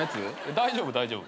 大丈夫大丈夫。